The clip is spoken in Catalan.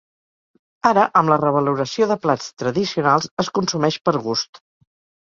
Ara, amb la revaloració de plats tradicionals, es consumeix per gust.